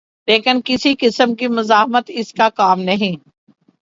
لیکن کسی قسم کی مزاحمت اس کا کام نہیں۔